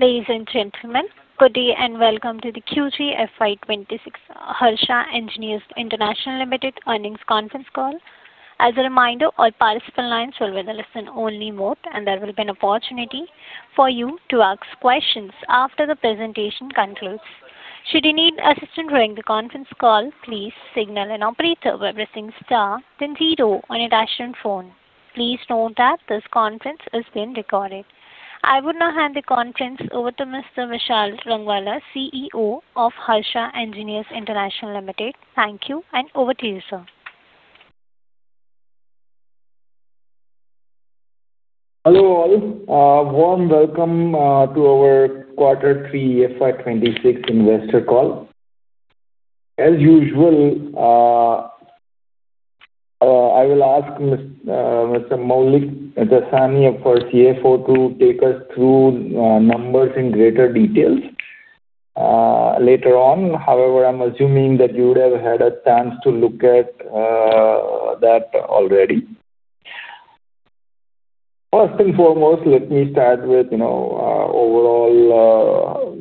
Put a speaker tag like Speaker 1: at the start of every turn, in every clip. Speaker 1: Ladies and gentlemen, good day, and welcome to the Q3 FY 2026 Harsha Engineers International Limited earnings conference call. As a reminder, all participant lines will be in a listen-only mode, and there will be an opportunity for you to ask questions after the presentation concludes. Should you need assistance during the conference call, please signal an operator by pressing star then zero on your touchtone phone. Please note that this conference is being recorded. I would now hand the conference over to Mr. Vishal Rangwala, CEO of Harsha Engineers International Limited. Thank you, and over to you, sir.
Speaker 2: Hello, all. Warm welcome to our Q3 FY 2026 investor call. As usual, I will ask Mr. Maulik Jasani, our CFO, to take us through numbers in greater detail later on. However, I'm assuming that you would have had a chance to look at that already. First and foremost, let me start with, you know, overall,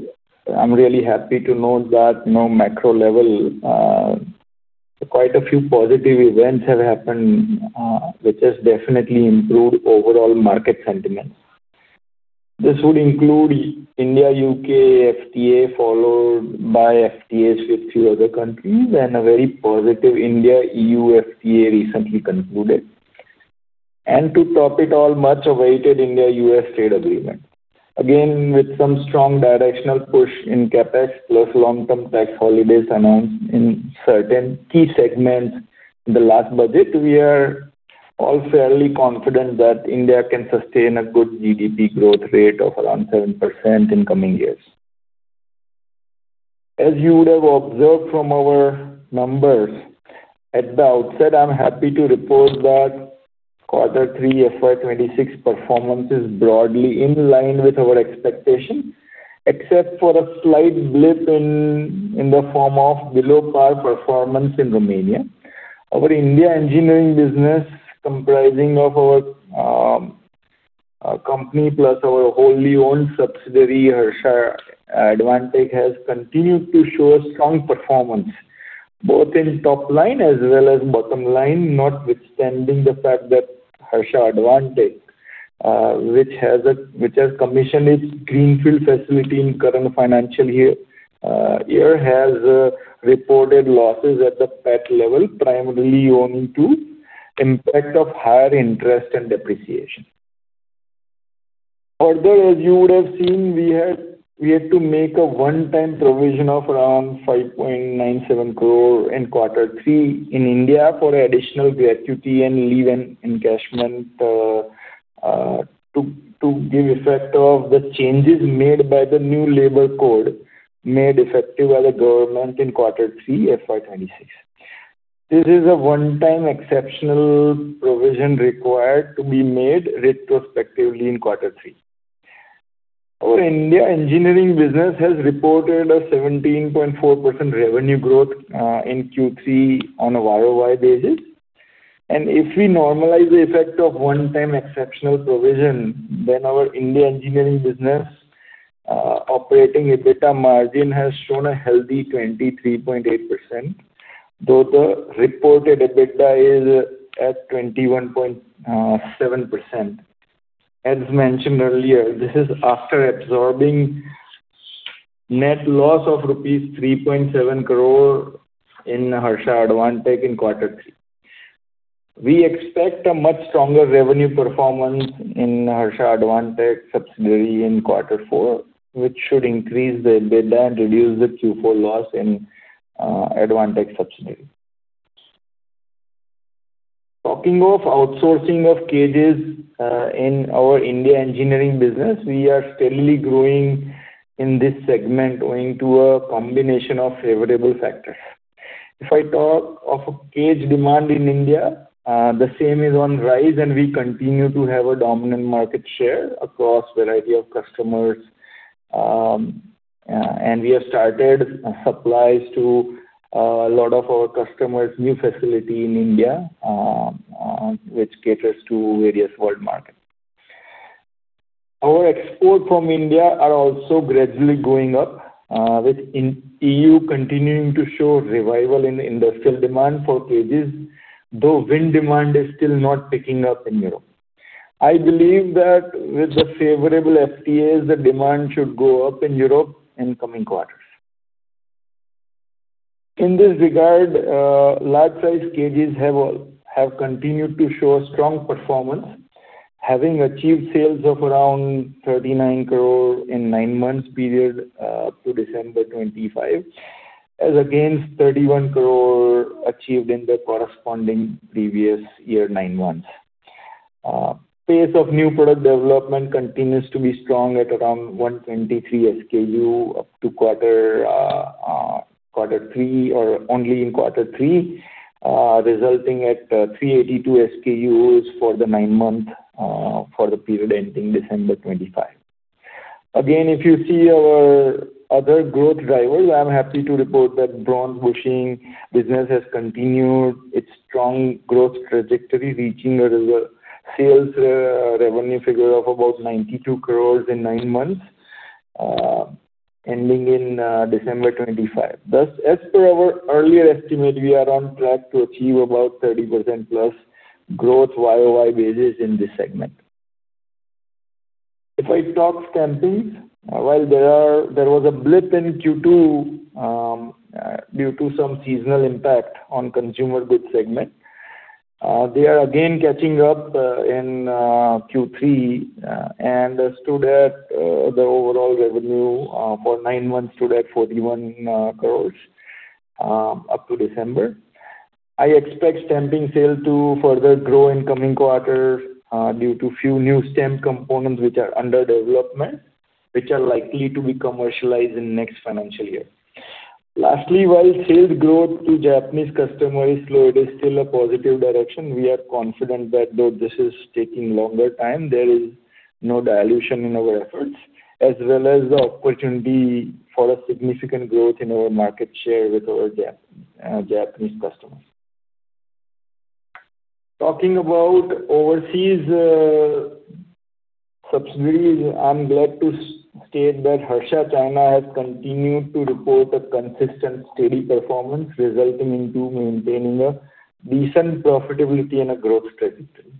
Speaker 2: I'm really happy to note that, you know, macro level, quite a few positive events have happened, which has definitely improved overall market sentiment. This would include India-UK FTA, followed by FTAs with few other countries, and a very positive India-EU FTA recently concluded. And to top it all, much awaited India-US trade agreement. Again, with some strong directional push in CapEx, plus long-term tax holidays announced in certain key segments in the last budget, we are all fairly confident that India can sustain a good GDP growth rate of around 7% in coming years. As you would have observed from our numbers, at the outset, I'm happy to report that Q3 FY 2026 performance is broadly in line with our expectation, except for a slight blip in the form of below par performance in Romania. Our India engineering business, comprising of our company plus our wholly owned subsidiary, Harsha Advantek, has continued to show a strong performance, both in top line as well as bottom line, notwithstanding the fact that Harsha Advantek, which has commissioned its greenfield facility in current financial year, has reported losses at the PAT level, primarily owing to impact of higher interest and depreciation. Further, as you would have seen, we had to make a one-time provision of around 5.97 crore in Q3 in India for additional gratuity and leave encashment, to give effect of the changes made by the new labor code, made effective by the government in Q3 FY 2026. This is a one-time exceptional provision required to be made retrospectively in Q3. Our India engineering business has reported a 17.4% revenue growth in Q3 on a YOY basis. If we normalize the effect of one-time exceptional provision, then our India engineering business operating EBITDA margin has shown a healthy 23.8%, though the reported EBITDA is at 21.7%. As mentioned earlier, this is after absorbing net loss of rupees 3.7 crore in Harsha Advantek in Q3. We expect a much stronger revenue performance in Harsha Advantek subsidiary in Q4, which should increase the EBITDA and reduce the Q4 loss in Advantek subsidiary. Talking of outsourcing of cages in our India engineering business, we are steadily growing in this segment owing to a combination of favorable factors. If I talk of a cage demand in India, the same is on rise, and we continue to have a dominant market share across variety of customers. We have started supplies to a lot of our customers' new facility in India, which caters to various world markets. Our export from India are also gradually going up, with EU continuing to show revival in industrial demand for cages, though wind demand is still not picking up in Europe. I believe that with the favorable FTAs, the demand should go up in Europe in coming quarters. In this regard, large size cages have continued to show a strong performance, having achieved sales of around 39 crore in nine months period to December 2025, as against 31 crore achieved in the corresponding previous year, nine months. Pace of new product development continues to be strong at around 123 SKUs up to Q3 or only in Q3, resulting at 382 SKUs for the nine-month period ending December 2025. Again, if you see our other growth drivers, I'm happy to report that bronze bushing business has continued its strong growth trajectory, reaching a record sales revenue figure of about 92 crore in nine months ending in December 2025. Thus, as per our earlier estimate, we are on track to achieve about 30%+ growth YOY basis in this segment. If I talk stamping, while there was a blip in Q2 due to some seasonal impact on consumer goods segment, they are again catching up in Q3, and stood at the overall revenue for nine months stood at 41 crore up to December. I expect stamping sales to further grow in coming quarter due to few new stamping components which are under development, which are likely to be commercialized in next financial year. Lastly, while sales growth to Japanese customer is slow, it is still a positive direction. We are confident that though this is taking longer time, there is no dilution in our efforts, as well as the opportunity for a significant growth in our market share with our Japanese customers. Talking about overseas subsidiaries, I'm glad to state that Harsha China has continued to report a consistent, steady performance, resulting into maintaining a decent profitability and a growth trajectory.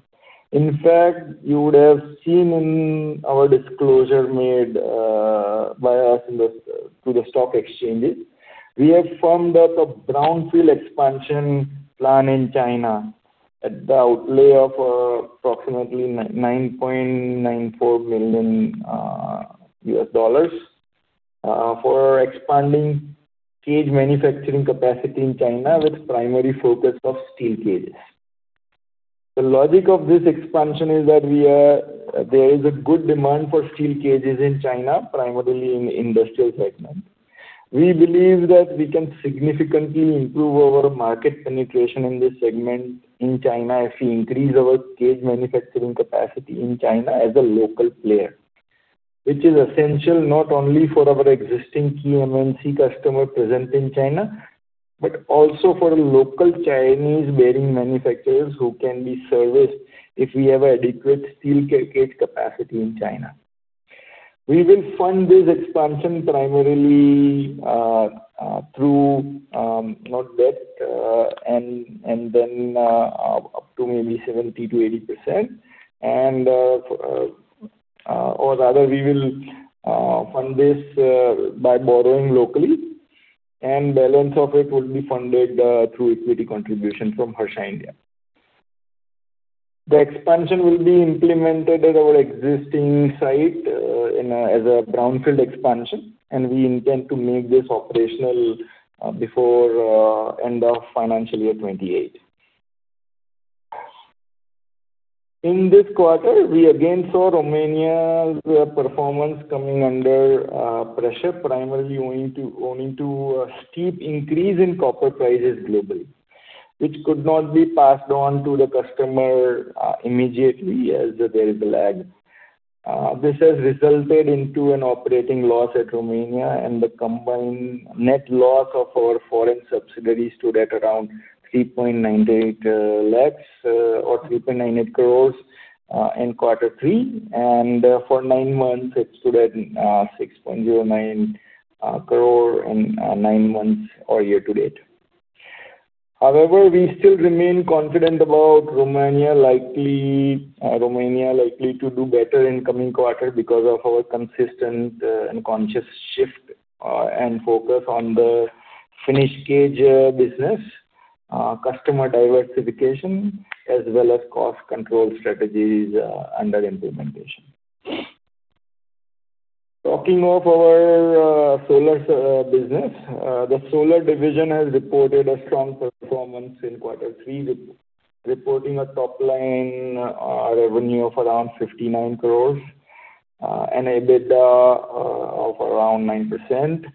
Speaker 2: In fact, you would have seen in our disclosure made by us to the stock exchanges, we have formed up a brownfield expansion plan in China at the outlay of approximately $9.94 million for expanding cage manufacturing capacity in China, with primary focus of steel cages. The logic of this expansion is that there is a good demand for steel cages in China, primarily in the industrial segment. We believe that we can significantly improve our market penetration in this segment in China, as we increase our cage manufacturing capacity in China as a local player, which is essential not only for our existing key MNC customer present in China, but also for local Chinese bearing manufacturers who can be serviced if we have adequate steel cage capacity in China. We will fund this expansion primarily through not debt, and then up to maybe 70%-80%, or rather, we will fund this by borrowing locally, and balance of it will be funded through equity contribution from Harsha India. The expansion will be implemented at our existing site as a brownfield expansion, and we intend to make this operational before end of financial year 2028. In this quarter, we again saw Romania's performance coming under pressure, primarily owing to a steep increase in copper prices globally, which could not be passed on to the customer immediately as there is a lag. This has resulted into an operating loss at Romania, and the combined net loss of our foreign subsidiaries stood at around 3.98 crore or 3.98 crore in Q3. For nine months, it stood at 6.09 crore in nine months or year to date. However, we still remain confident about Romania likely to do better in coming quarter because of our consistent and conscious shift and focus on the finished cage business, customer diversification, as well as cost control strategies under implementation. Talking of our solar business, the solar division has reported a strong performance in Q3, reporting a top line revenue of around 59 crore, and EBITDA of around 9%.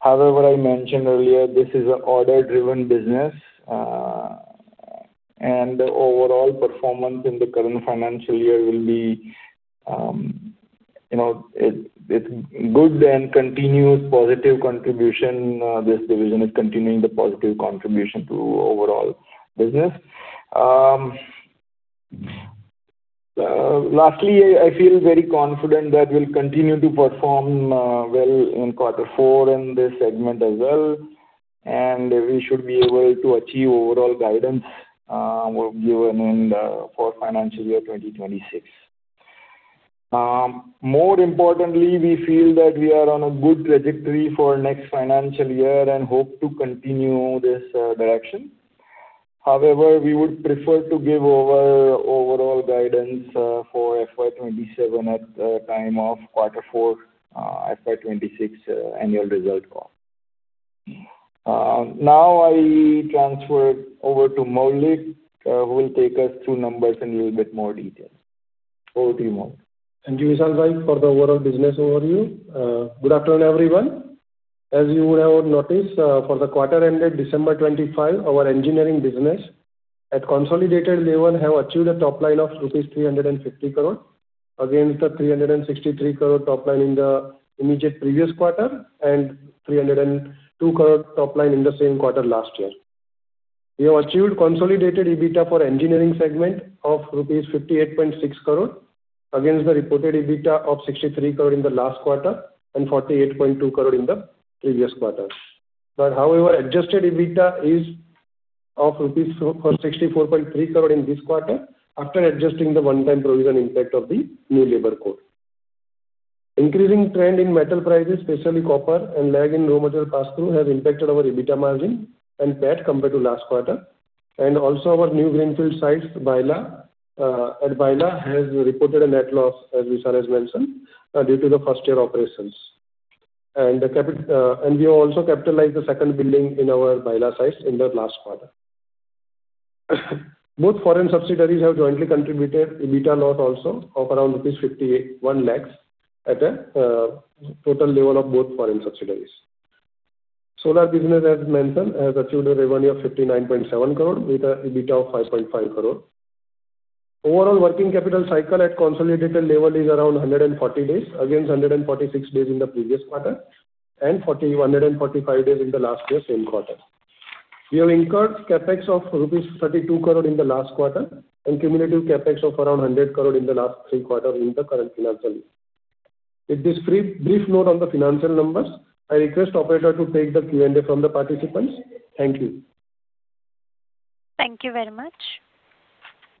Speaker 2: However, as I mentioned earlier, this is an order-driven business, and the overall performance in the current financial year will be, you know, it's good and continuous positive contribution, this division is continuing the positive contribution to overall business. Lastly, I feel very confident that we'll continue to perform well in Q4 in this segment as well, and we should be able to achieve overall guidance we've given for financial year 2026. More importantly, we feel that we are on a good trajectory for next financial year and hope to continue this direction. However, we would prefer to give our overall guidance, for FY 2027 at the time of Q4, FY 2026 annual result call. Now I transfer it over to Maulik, who will take us through numbers in a little bit more detail. Over to you, Maulik.
Speaker 3: Thank you, Vishal, for the overall business overview. Good afternoon, everyone. As you would have noticed, for the quarter ended December 2025, at consolidated level, have achieved a top line of rupees 350 crore, against the 363 crore top line in the immediate previous quarter, and 302 crore top line in the same quarter last year. We have achieved consolidated EBITDA for engineering segment of rupees 58.6 crore, against the reported EBITDA of 63 crore in the last quarter and 48.2 crore in the previous quarter. However, adjusted EBITDA is of 64.3 crore rupees in this quarter, after adjusting the one-time provision impact of the new labor code. Increasing trend in metal prices, especially copper and lag in raw material pass-through, has impacted our EBITDA margin and that compared to last quarter. Also our new greenfield sites, Bavla, at Bavla has reported a net loss, as Vishal has mentioned, due to the first year operations. We also capitalized the second building in our Bavla site in the last quarter. Both foreign subsidiaries have jointly contributed EBITDA not also of around rupees 58.1 lakhs, at a total level of both foreign subsidiaries. Solar business, as mentioned, has achieved a revenue of 59.7 crore, with an EBITDA of 5.5 crore. Overall working capital cycle at consolidated level is around 140 days, against 146 days in the previous quarter, and 145 days in the last year same quarter. We have incurred CapEx of rupees 32 crore in the last quarter, and cumulative CapEx of around 100 crore in the last three quarter in the current financial year. With this brief note on the financial numbers, I request operator to take the Q&A from the participants. Thank you.
Speaker 1: Thank you very much.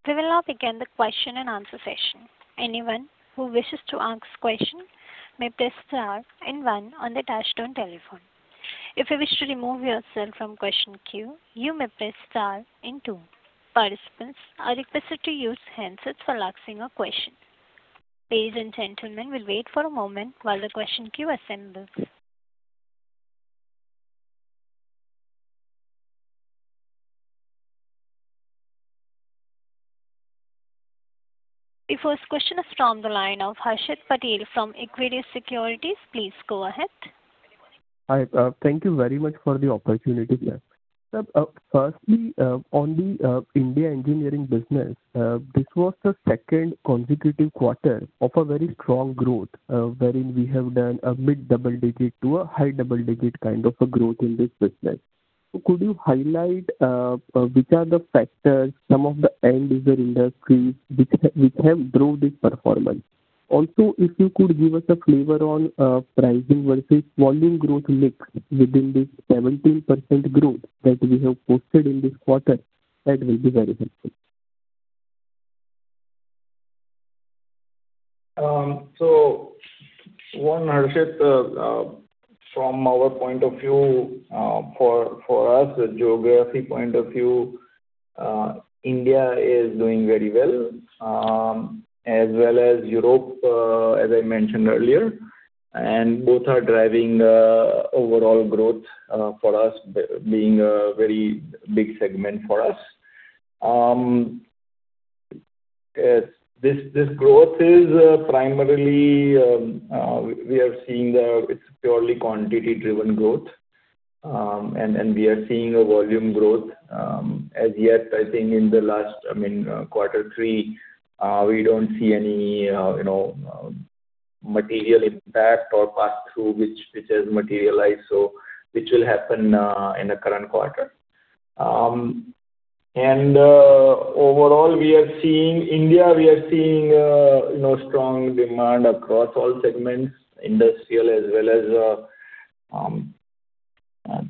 Speaker 1: We will now begin the question and answer session. Anyone who wishes to ask question may press star and one on the touchtone telephone. If you wish to remove yourself from question queue, you may press star and two. Participants are requested to use handsets for asking a question. Ladies and gentlemen, we'll wait for a moment while the question queue assembles. The first question is from the line of Harshit Patel from Equirus Securities. Please go ahead.
Speaker 4: Hi, thank you very much for the opportunity. Firstly, on the India engineering business, this was the second consecutive quarter of a very strong growth, wherein we have done a mid double-digit to a high double-digit kind of a growth in this business. So could you highlight which are the factors, some of the end user industries, which have drove this performance? Also, if you could give us a flavor on pricing versus volume growth mix within this 17% growth that we have posted in this quarter, that will be very helpful.
Speaker 2: So one, Harshit, from our point of view, for us, the geography point of view, India is doing very well, as well as Europe, as I mentioned earlier, and both are driving overall growth for us, being a very big segment for us. This growth is primarily. It's purely quantity-driven growth. And we are seeing a volume growth, as yet, I think in the last, I mean, Q3, we don't see any you know material impact or pass-through, which has materialized, so which will happen in the current quarter. And overall, we are seeing India, we are seeing you know strong demand across all segments, industrial as well as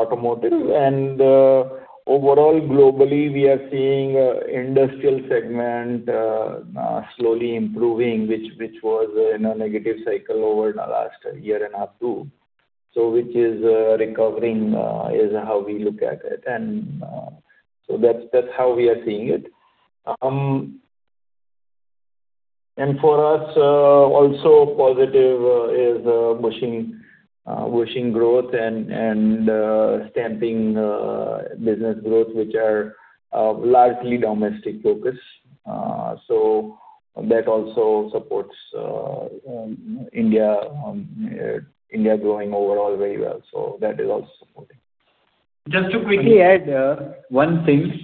Speaker 2: automotive. Overall, globally, we are seeing industrial segment slowly improving, which was in a negative cycle over the last year and a half, too. Which is recovering is how we look at it, and so that's how we are seeing it. And for us also positive is bushing growth and stamping business growth, which are largely domestic focused. So that also supports India growing overall very well. So that is also supporting.
Speaker 3: Just to quickly add, one thing.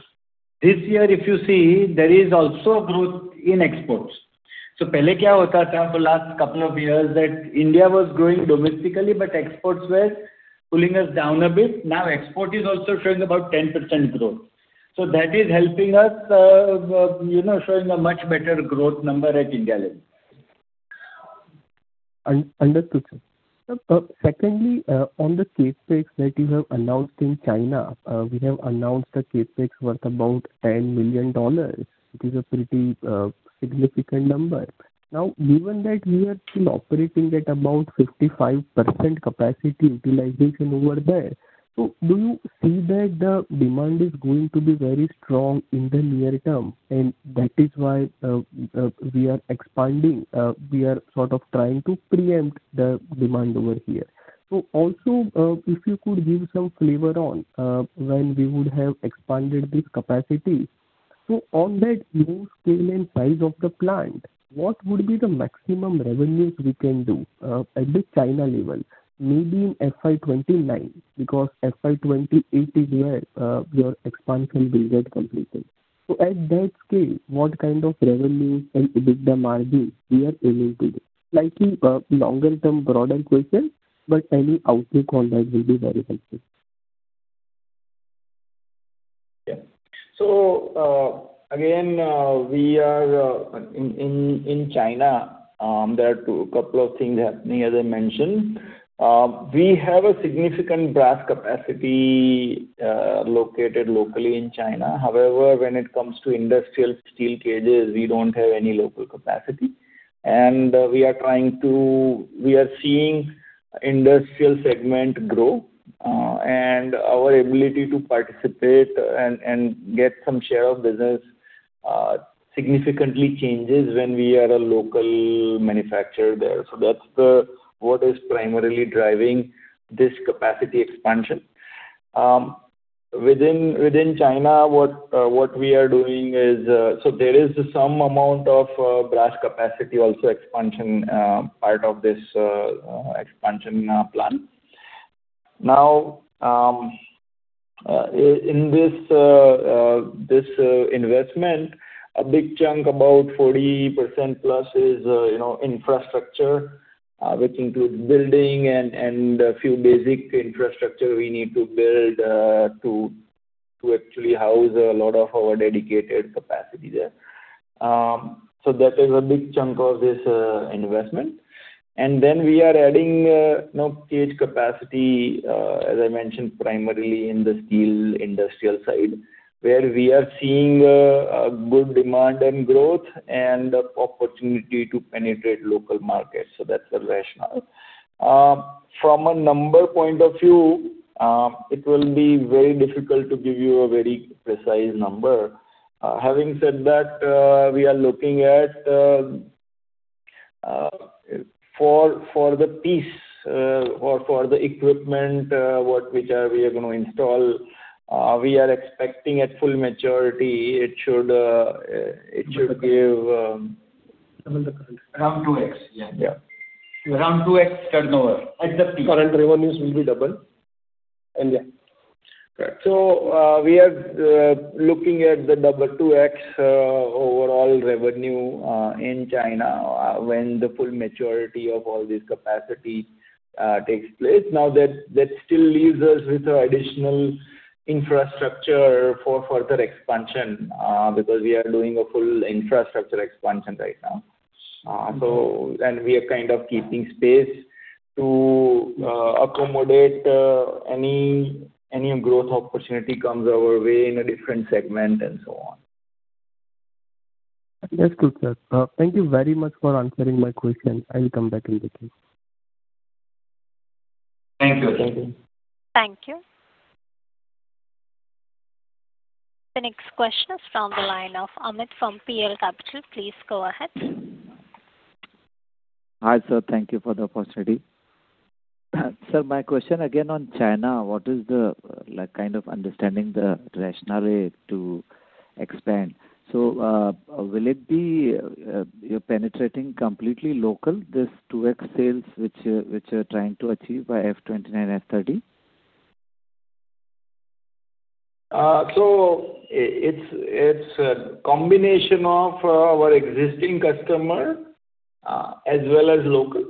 Speaker 3: This year, if you see, there is also a growth in exports. So last couple of years that India was growing domestically, but exports were pulling us down a bit. Now, export is also showing about 10% growth. So that is helping us, you know, showing a much better growth number at India level.
Speaker 4: Understood, sir. Secondly, on the CapEx that you have announced in China, we have announced a CapEx worth about $10 million, which is a pretty significant number. Now, given that we are still operating at about 55% capacity utilization over there, so do you see that the demand is going to be very strong in the near term, and that is why we are expanding, we are sort of trying to preempt the demand over here? So also, if you could give some flavor on when we would have expanded this capacity? So on that new scale and size of the plant, what would be the maximum revenues we can do at the China level? Maybe in FY 2029, because FY 2028 is where your expansion will get completed. At that scale, what kind of revenues and EBITDA margins we are aiming to do? Slightly, longer term, broader question, but any outlook on that will be very helpful.
Speaker 2: Yeah. So, again, we are in China. There are a couple of things happening as I mentioned. We have a significant brass capacity located locally in China. However, when it comes to industrial steel cages, we don't have any local capacity. And we are seeing industrial segment grow, and our ability to participate and get some share of business significantly changes when we are a local manufacturer there. So that's what is primarily driving this capacity expansion. Within China, what we are doing is so there is some amount of brass capacity also expansion, part of this expansion plan. Now, in this investment, a big chunk, about 40%+ is, you know, infrastructure, which includes building and a few basic infrastructure we need to build, to actually house a lot of our dedicated capacity there. So that is a big chunk of this investment. And then we are adding, you know, cage capacity, as I mentioned, primarily in the steel industrial side, where we are seeing a good demand and growth and opportunity to penetrate local markets. So that's the rationale. From a number point of view, it will be very difficult to give you a very precise number. Having said that, we are looking at for the piece or for the equipment, which we are going to install, we are expecting at full maturity, it should give-
Speaker 3: Around 2 X, yeah.
Speaker 2: Yeah.
Speaker 3: Around 2x turnover at the peak.
Speaker 2: Current revenues will be double. And, yeah.
Speaker 3: Correct.
Speaker 2: So, we are looking at the 2x overall revenue in China when the full maturity of all this capacity takes place. Now, that, that still leaves us with additional infrastructure for further expansion because we are doing a full infrastructure expansion right now. So then we are kind of keeping space to accommodate any, any growth opportunity comes our way in a different segment and so on.
Speaker 4: That's good, sir. Thank you very much for answering my question. I will come back in the queue.
Speaker 2: Thank you.
Speaker 3: Thank you.
Speaker 1: Thank you. The next question is from the line of Amit from PL Capital. Please go ahead.
Speaker 5: Hi, sir, thank you for the opportunity. Sir, my question again on China, what is the, like, kind of understanding the rationale to expand? So, will it be, you're penetrating completely local, this 2x sales which, which you're trying to achieve by FY 2029, FY 2030?
Speaker 2: So it's a combination of our existing customer as well as local.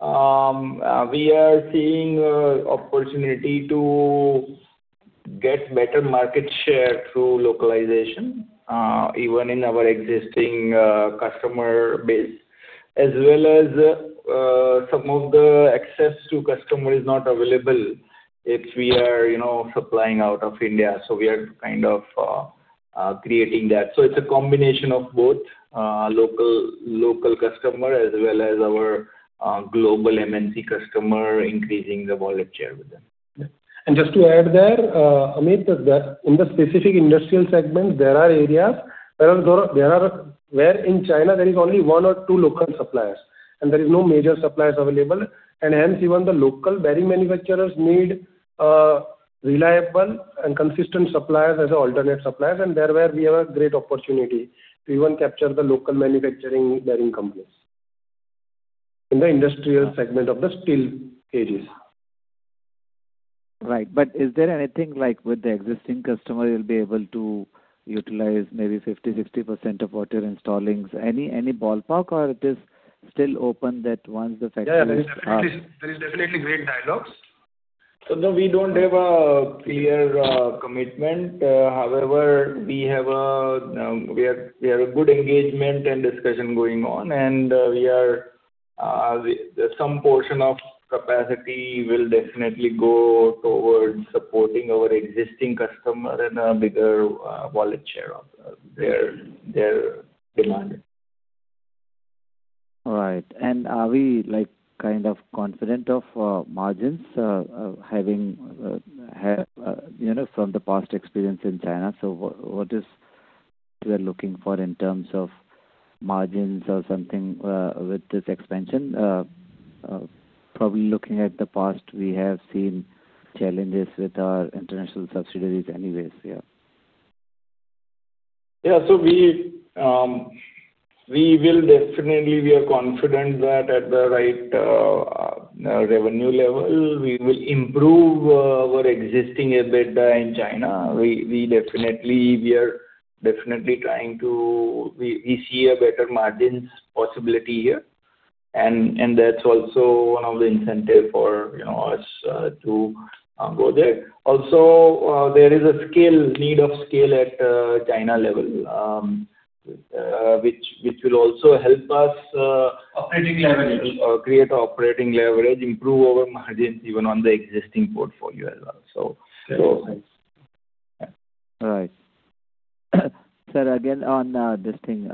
Speaker 2: We are seeing opportunity to get better market share through localization even in our existing customer base, as well as some of the access to customer is not available if we are, you know, supplying out of India. So we are kind of creating that. So it's a combination of both local customer as well as our global MNC customer, increasing the wallet share with them.
Speaker 3: Just to add there, Amit, is that in the specific industrial segments, there are areas where, in China, there is only one or two local suppliers, and there is no major suppliers available. And hence, even the local bearing manufacturers need reliable and consistent suppliers as alternate suppliers, and there where we have a great opportunity to even capture the local manufacturing bearing companies in the industrial segment of the steel cages.
Speaker 5: Right. But is there anything, like, with the existing customer you'll be able to utilize maybe 50%-60% of what you're installing? Any ballpark or it is still open that once the factory is-
Speaker 2: Yeah, there is definitely, there is definitely great dialogue. So no, we don't have a clear commitment. However, we have a good engagement and discussion going on, and we are, some portion of capacity will definitely go towards supporting our existing customer in a bigger wallet share of their demand.
Speaker 5: All right. And are we, like, kind of confident of margins, having you know, from the past experience in China? So what, what is we are looking for in terms of margins or something, probably looking at the past, we have seen challenges with our international subsidiaries anyways, yeah.
Speaker 2: Yeah. So we will definitely, we are confident that at the right revenue level, we will improve our existing EBITDA in China. We are definitely trying to see a better margins possibility here, and that's also one of the incentive for, you know, us to go there. Also, there is a scale, need of scale at China level, which will also help us.
Speaker 3: Operating leverage.
Speaker 2: Or create operating leverage, improve our margins even on the existing portfolio as well, so.
Speaker 5: All right. Sir, again, on this thing,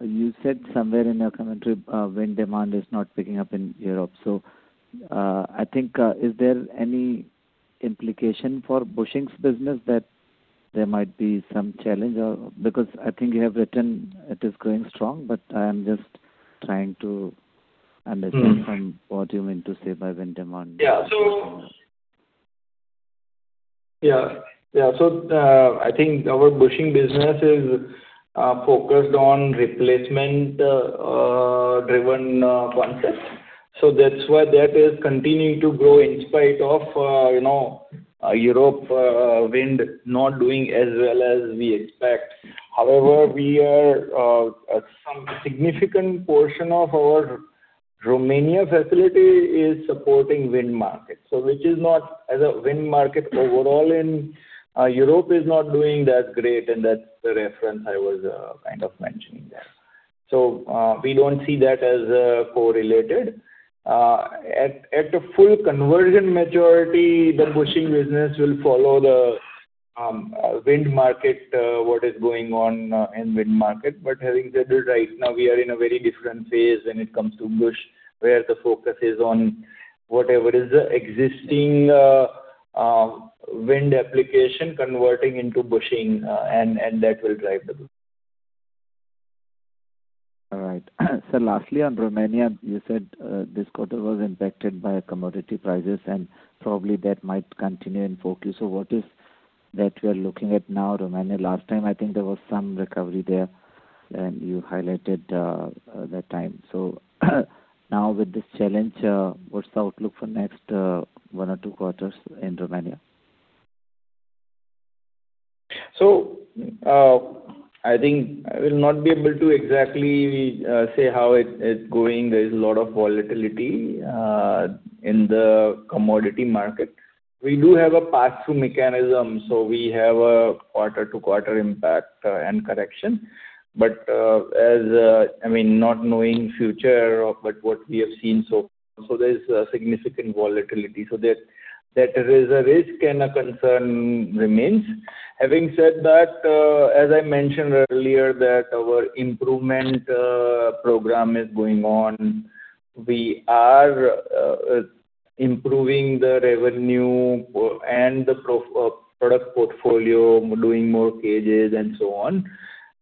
Speaker 5: you said somewhere in your commentary, wind demand is not picking up in Europe. So, I think, is there any implication for bushing business that there might be some challenge or...? Because I think you have written it is going strong, but I am just trying to understand-
Speaker 2: Mm.
Speaker 5: from what you mean to say by wind demand.
Speaker 2: Yeah. So, yeah, so, I think our bushing business is focused on replacement driven concept. So that's why that is continuing to grow in spite of, you know, Europe wind not doing as well as we expect. However, we are some significant portion of our Romania facility is supporting wind market, so which is not as a wind market overall, and, Europe is not doing that great, and that's the reference I was kind of mentioning there. So, we don't see that as correlated. At a full conversion majority, the bushing business will follow the wind market, what is going on in wind market. But having said that, right now we are in a very different phase when it comes to bush, where the focus is on whatever is the existing, wind application converting into bushing, and that will drive the bush.
Speaker 5: All right. So lastly, on Romania, you said, this quarter was impacted by commodity prices, and probably that might continue in focus. So what is that you are looking at now, Romania? Last time, I think there was some recovery there, and you highlighted, that time. So, now with this challenge, what's the outlook for next, one or two quarters in Romania?
Speaker 2: So, I think I will not be able to exactly say how it's going. There is a lot of volatility in the commodity market. We do have a pass-through mechanism, so we have a quarter-to-quarter impact and correction. But, as... I mean, not knowing future, but what we have seen so far, so there is a significant volatility. So that, that there is a risk and a concern remains. Having said that, as I mentioned earlier, that our improvement program is going on. We are improving the revenue and the product portfolio, doing more cages and so on,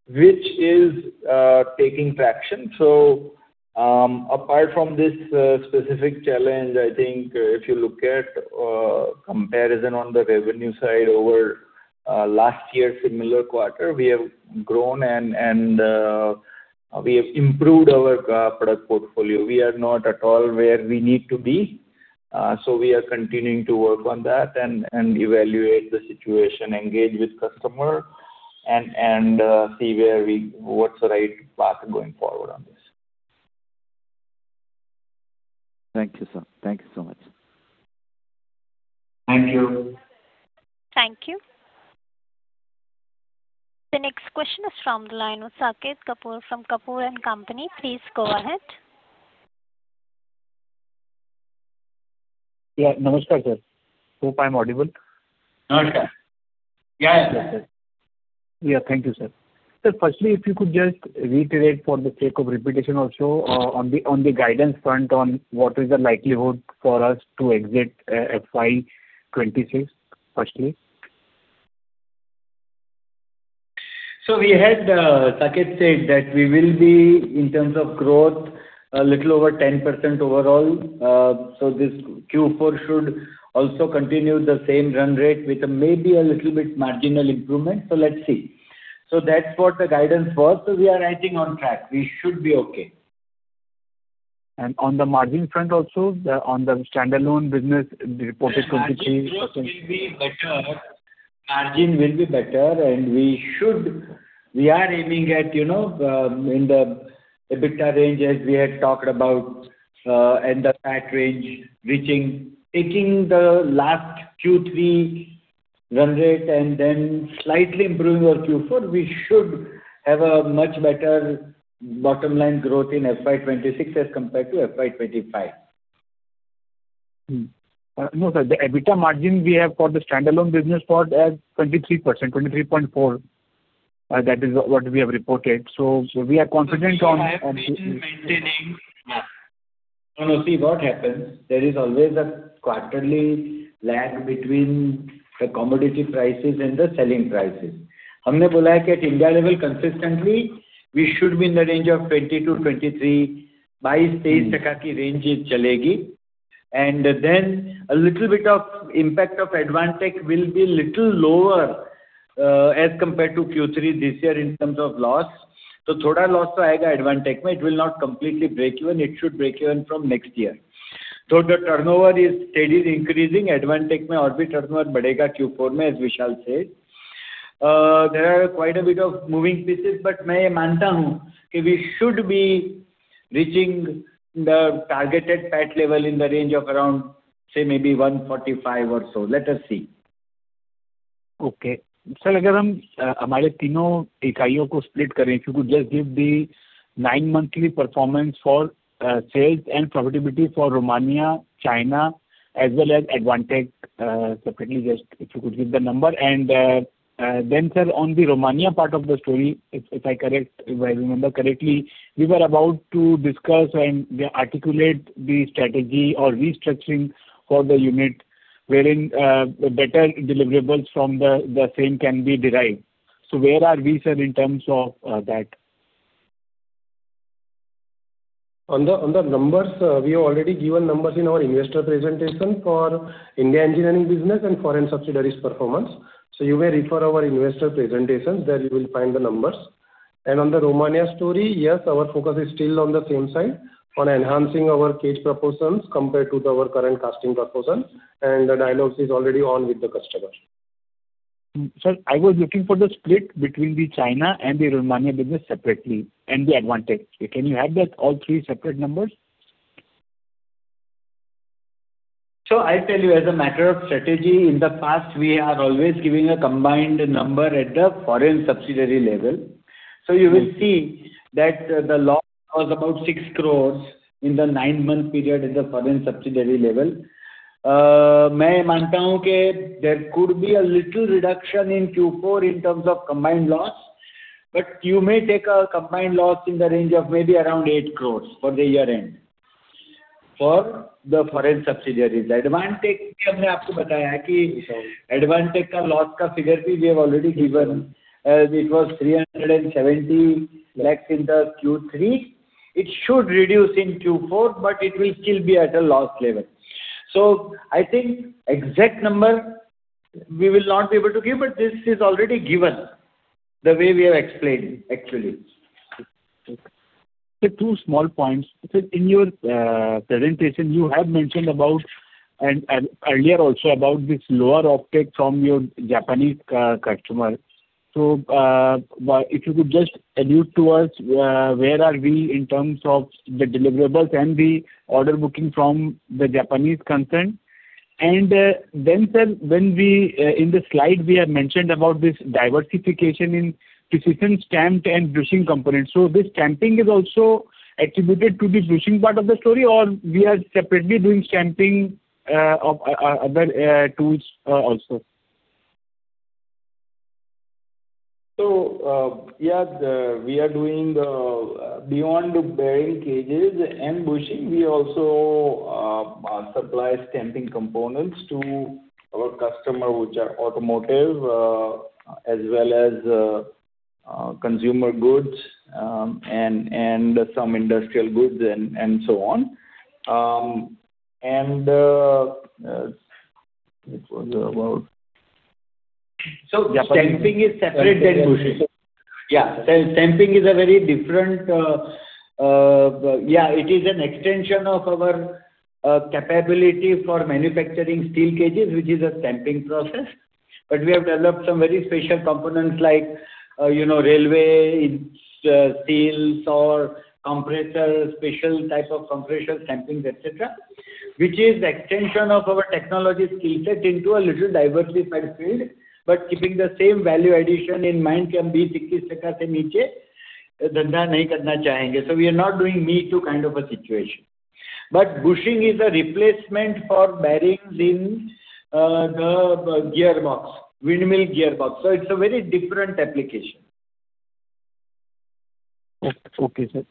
Speaker 2: which is taking traction. So, apart from this specific challenge, I think if you look at comparison on the revenue side over last year, similar quarter, we have grown and we have improved our product portfolio. We are not at all where we need to be, so we are continuing to work on that and evaluate the situation, engage with customer and see where we what's the right path going forward on this.
Speaker 5: Thank you, sir. Thank you so much.
Speaker 2: Thank you.
Speaker 1: Thank you. The next question is from the line of Saket Kapoor, from Kapoor and Company. Please go ahead.
Speaker 6: Yeah. Namaskar, sir. Hope I'm audible.
Speaker 2: Namaskar. Yes, sir.
Speaker 6: Yeah. Thank you, sir. So firstly, if you could just reiterate for the sake of repetition also, on the guidance front on what is the likelihood for us to exit, FY 2026, firstly?
Speaker 2: So we had, Saket said that we will be, in terms of growth, a little over 10% overall. So this Q4 should also continue the same run rate with maybe a little bit marginal improvement. So let's see. So that's what the guidance was. So we are on track. We should be okay.
Speaker 6: On the margin front also, on the standalone business, the reported 23-
Speaker 2: Margin growth will be better. Margin will be better, and we are aiming at, you know, in the EBITDA range, as we had talked about, and the PAT range, reaching, taking the last Q3 run rate and then slightly improving our Q4, we should have a much better bottom line growth in FY 2026 as compared to FY 2025.
Speaker 6: No, sir, the EBITDA margin we have for the standalone business for that 23%, 23.4, that is what we have reported. So, so we are confident on-
Speaker 3: I have been maintaining. No, no, see what happens, there is always a quarterly lag between the commodity prices and the selling prices. हमने बोला है कि at India level, consistently, we should be in the range of 20%-23%, बाईस-तेईस टका की range ही चलेगी. And then a little bit of impact of Advantek will be little lower, as compared to Q3 this year in terms of loss. तो थोड़ा loss तो आएगा Advantek में, it will not completely break even, it should break even from next year. So the turnover is steadily increasing, Advantek में और भी turnover बढ़ेगा Q4 में, as Vishal said. There are quite a bit of moving pieces, but मैं ये मानता हूँ कि we should be reaching the targeted PAT level in the range of around, say, maybe 145 or so. Let us see.
Speaker 6: Okay. Sir, अगर हम हमारे तीनों इकाइयों को split करें, if you could just give the nine-monthly performance for sales and profitability for Romania, China, as well as Advantek, separately, just if you could give the number. And then, sir, on the Romania part of the story, if I remember correctly, we were about to discuss and articulate the strategy or restructuring for the unit, wherein better deliverables from the same can be derived. So where are we, sir, in terms of that?
Speaker 3: On the numbers, we have already given numbers in our investor presentation for India engineering business and foreign subsidiaries performance. So you may refer our investor presentation, there you will find the numbers. And on the Romania story, yes, our focus is still on the same side, on enhancing our cage proportions compared to our current casting proportions, and the dialogue is already on with the customer.
Speaker 6: Sir, I was looking for the split between the China and the Romania business separately, and the Advantek. Can you have that all three separate numbers?
Speaker 3: So I tell you, as a matter of strategy, in the past, we are always giving a combined number at the foreign subsidiary level. So you will see that the loss was about 6 crore in the nine-month period in the foreign subsidiary level. मैं मानता हूँ कि there could be a little reduction in Q4 in terms of combined loss, but you may take a combined loss in the range of maybe around 8 crore for the year end, for the foreign subsidiaries. Advantek में हमने आपको बताया है कि Advantek का loss का figure भी we have already given, it was 370 lakhs in the Q3. It should reduce in Q4, but it will still be at a loss level. So I think exact number, we will not be able to give, but this is already given, the way we have explained, actually.
Speaker 6: Okay. Sir, two small points. Sir, in your presentation, you had mentioned about, and earlier also, about this lower offtake from your Japanese customer. So, if you could just allude to us, where are we in terms of the deliverables and the order booking from the Japanese concern? And, then, sir, when we in the slide, we have mentioned about this diversification in precision stamping and bushing components. So this stamping is also attributed to the bushing part of the story, or we are separately doing stamping of other tools also?
Speaker 2: So, yeah, we are doing beyond the bearing cages and bushing, we also supply stamping components to our customer, which are automotive, as well as consumer goods, and some industrial goods and so on. And what was about-
Speaker 6: Stamping is separate than bushing.
Speaker 2: Yeah, stamping is a very different... Yeah, it is an extension of our capability for manufacturing steel cages, which is a stamping process. But we have developed some very special components like, you know, railway, it's, steels or compressor, special type of compressor stampings, et cetera, which is extension of our technology skill set into a little diversified field, but keeping the same value addition in mind, कि हम 20%-31% से नीचे धंधा नहीं करना चाहेंगे। So we are not doing me-too kind of a situation. But bushing is a replacement for bearings in, the gearbox, windmill gearbox, so it's a very different application.
Speaker 6: Okay, sir.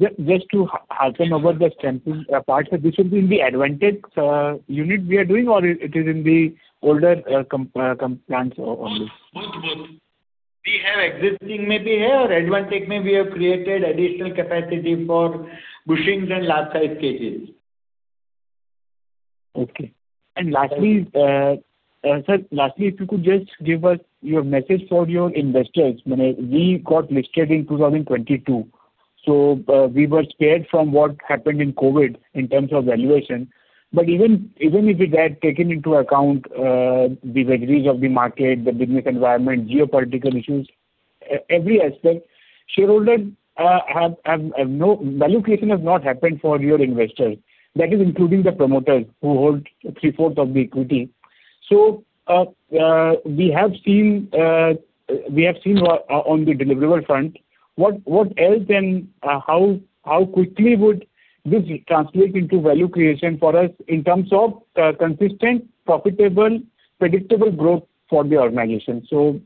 Speaker 6: Just, just to hasten about the stamping part, sir, this will be in the Advantek unit we are doing, or it is in the older component plants only?
Speaker 2: Both, both. We have existing maybe here, and we may have created additional capacity for bushings and large-size cages.
Speaker 6: Okay. And lastly, sir, lastly, if you could just give us your message for your investors. I mean, we got listed in 2022, so, we were spared from what happened in COVID in terms of valuation. But even, even if we had taken into account, the vagaries of the market, the business environment, geopolitical issues, every aspect, shareholder have no... Value creation has not happened for your investors, that is including the promoters, who hold three-fourth of the equity. So, we have seen on the deliverable front, what else and, how quickly would this translate into value creation for us in terms of, consistent, profitable, predictable growth for the organization? So-...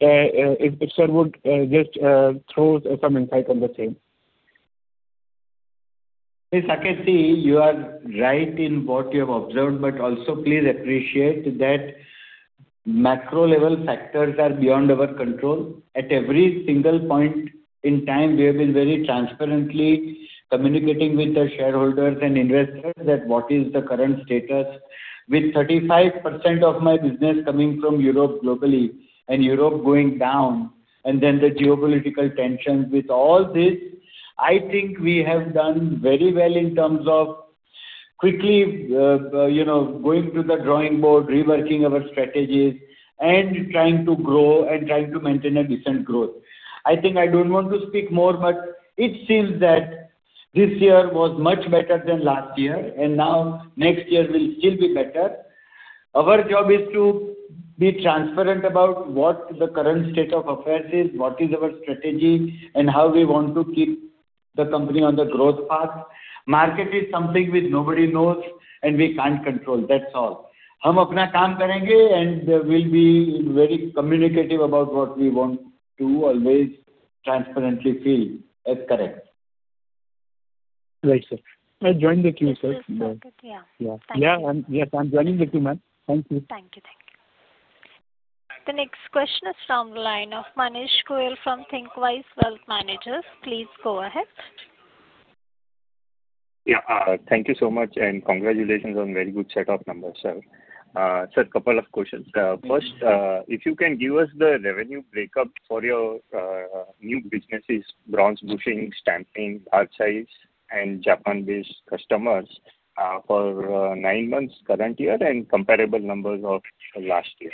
Speaker 6: if sir would just throw some insight on the same.
Speaker 2: Yes, Saket, you are right in what you have observed, but also please appreciate that macro level factors are beyond our control. At every single point in time, we have been very transparently communicating with the shareholders and investors that what is the current status. With 35% of my business coming from Europe globally, and Europe going down, and then the geopolitical tensions, with all this, I think we have done very well in terms of quickly, you know, going to the drawing board, reworking our strategies, and trying to grow and trying to maintain a decent growth. I think I don't want to speak more, but it seems that this year was much better than last year, and now next year will still be better. Our job is to be transparent about what the current state of affairs is, what is our strategy, and how we want to keep the company on the growth path. Market is something which nobody knows, and we can't control. That's all. We'll be very communicative about what we want to always transparently feel as correct.
Speaker 6: Right, sir. I join the queue, sir.
Speaker 1: This is Saket, yeah.
Speaker 6: Yeah.
Speaker 1: Thank you.
Speaker 6: Yeah. Yes, I'm joining the queue, ma'am. Thank you.
Speaker 1: Thank you. Thank you. The next question is from the line of Manish Goyal from ThinkWise Wealth Managers. Please go ahead.
Speaker 7: Yeah, thank you so much, and congratulations on very good set of numbers, sir. Sir, couple of questions. First, if you can give us the revenue breakup for your new businesses, bronze bushing, stamping, large size, and Japan-based customers, for nine months current year and comparable numbers of last year.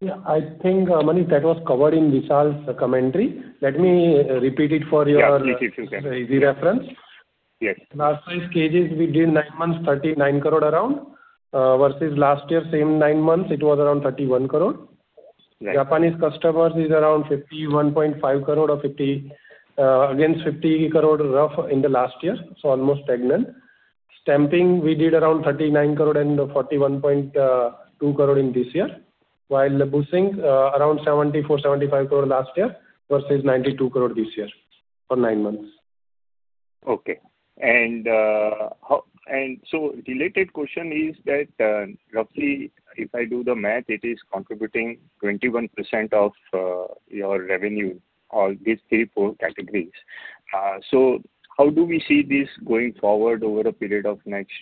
Speaker 3: Yeah, I think, Manish, that was covered in Vishal's commentary. Let me repeat it for your-
Speaker 7: Yeah, please, you can.
Speaker 3: Easy reference.
Speaker 7: Yes.
Speaker 3: Large size cages, we did nine months, around 39 crore, versus last year, same nine months, it was around 31 crore.
Speaker 7: Right.
Speaker 3: Japanese customers is around 51.5 crore or 50 crore, against 50 crore roughly in the last year, so almost stagnant. Stamping, we did around 39 crore and 41.2 crore in this year, while the bushing, around 74 crore-75 crore last year, versus 92 crore this year for nine months.
Speaker 7: Okay. And so related question is that, roughly, if I do the math, it is contributing 21% of your revenue, all these three, four categories. So how do we see this going forward over a period of next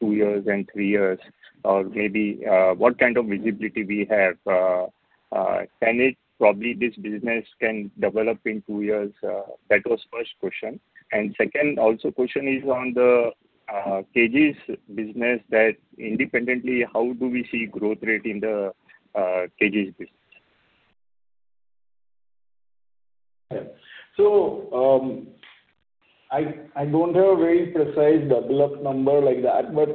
Speaker 7: two years and three years? Or maybe, what kind of visibility we have? Can it, probably, this business can develop in two years? That was first question. And second, also question is on the cages business, that independently, how do we see growth rate in the cages business?
Speaker 2: So, I don't have a very precise double up number like that, but,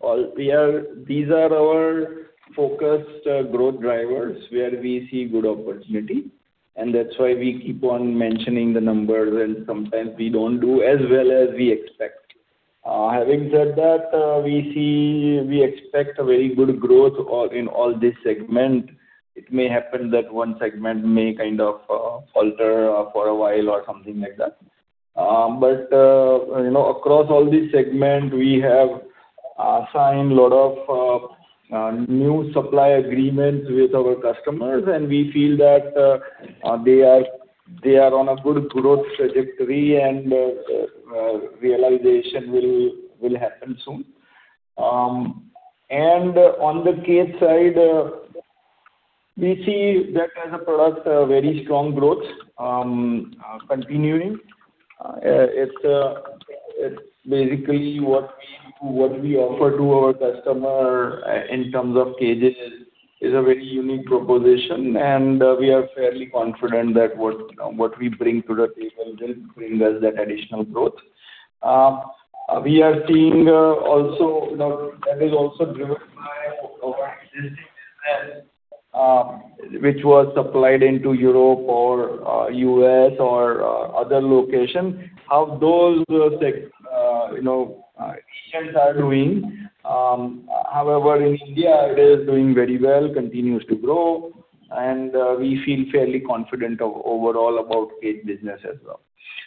Speaker 2: all we are—these are our focused, growth drivers, where we see good opportunity, and that's why we keep on mentioning the numbers, and sometimes we don't do as well as we expect. Having said that, we see, we expect a very good growth all, in all this segment. It may happen that one segment may kind of, falter, for a while or something like that. But, you know, across all this segment, we have, signed a lot of, new supply agreements with our customers, and we feel that, they are on a good growth trajectory and, realization will happen soon. And on the cage side, we see that as a product, a very strong growth, continuing. It's basically what we offer to our customer in terms of cages is a very unique proposition, and we are fairly confident that what we bring to the table will bring us that additional growth. We are seeing also, you know, that is also driven by our existing business, which was supplied into Europe or U.S. or other locations, how those, you know, clients are doing. However, in India, it is doing very well, continues to grow, and we feel fairly confident overall about cage business as well.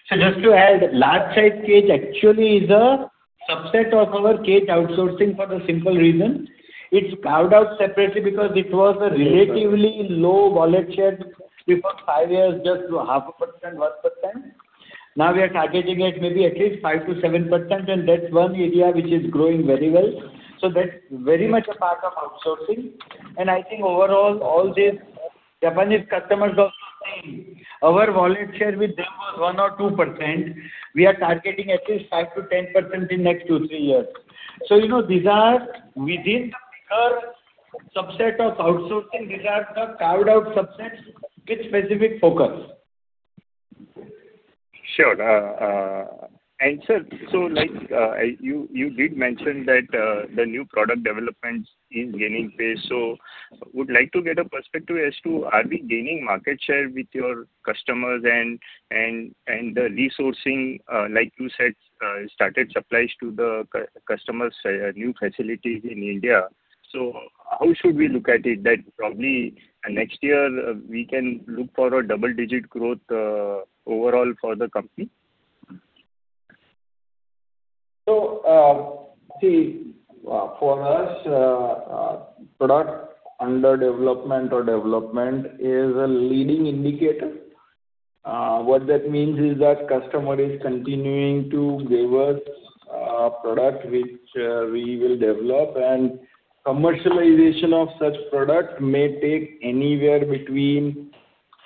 Speaker 2: So just to add, large size cage actually is a subset of our cage outsourcing for the simple reason. It's carved out separately because it was a relatively low volume share before 5 years, just 0.5%, 1%. Now we are targeting it maybe at least 5%-7%, and that's one area which is growing very well. So that's very much a part of outsourcing. And I think overall, all the Japanese customers are also saying, our volume share with them was 1% or 2%. We are targeting at least 5%-10% in next 2-3 years. So, you know, these are within the bigger subset of outsourcing, these are the carved-out subsets with specific focus.
Speaker 7: Sure. And sir, so like, you did mention that the new product development is gaining pace. Would like to get a perspective as to are we gaining market share with your customers and, and, and the resourcing, like you said, started supplies to the customers, new facilities in India. So how should we look at it? That probably next year we can look for a double-digit growth overall for the company.
Speaker 2: So, see, for us, product under development or development is a leading indicator. What that means is that customer is continuing to give us product which we will develop, and commercialization of such product may take anywhere between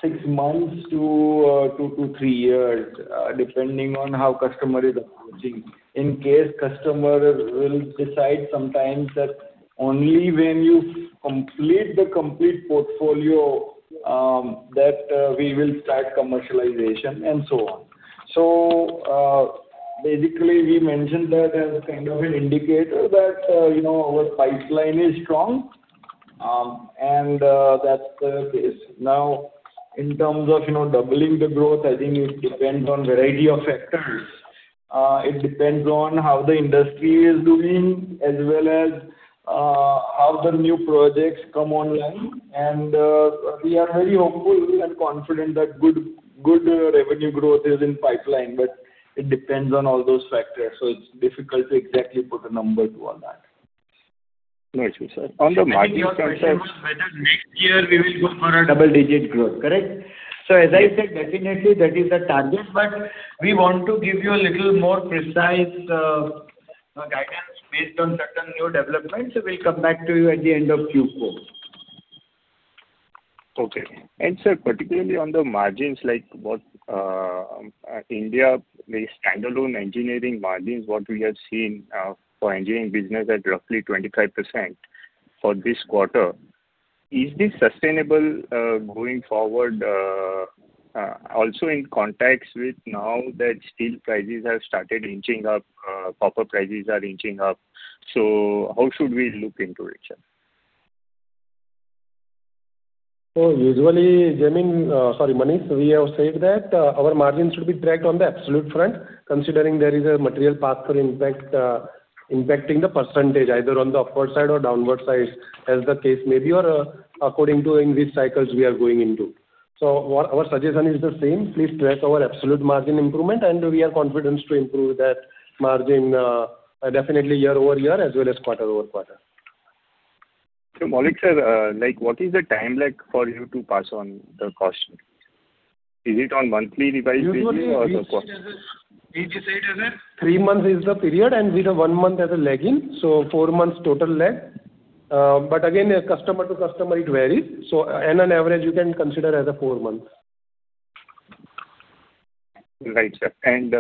Speaker 2: six months to two to three years, depending on how customer is approaching. In case customer will decide sometimes that only when you complete the complete portfolio, that we will start commercialization, and so on. So, basically, we mentioned that as a kind of an indicator that, you know, our pipeline is strong, and that's the case. Now, in terms of, you know, doubling the growth, I think it depends on variety of factors. It depends on how the industry is doing, as well as how the new projects come online. We are very hopeful and confident that good, good revenue growth is in pipeline, but it depends on all those factors, so it's difficult to exactly put a number to all that.
Speaker 7: No issue, sir. On the margin front-
Speaker 2: Your question was whether next year we will go for a double-digit growth, correct? So as I said, definitely that is the target, but we want to give you a little more precise guidance based on certain new developments, so we'll come back to you at the end of Q4.
Speaker 7: Okay. Sir, particularly on the margins, like what, India, the standalone engineering margins, what we have seen, for engineering business at roughly 25% for this quarter, is this sustainable, going forward? Also in context with now that steel prices have started inching up, copper prices are inching up, so how should we look into it, sir?
Speaker 3: So usually, Jamie, sorry, Manish, we have said that, our margins should be tracked on the absolute front, considering there is a material path for impact, impacting the percentage, either on the upward side or downward side, as the case may be, or, according to industry cycles we are going into. So our, our suggestion is the same. Please track our absolute margin improvement, and we are confident to improve that margin, definitely year over year as well as quarter over quarter.
Speaker 7: So Maulik, sir, like, what is the time lag for you to pass on the cost? Is it on monthly basis or-
Speaker 3: Usually we see it as a three months is the period, and we have one month as a lagging, so four months total lag. But again, customer to customer, it varies, so on average, you can consider as a four months.
Speaker 7: Right, sir. And,